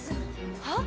はっ？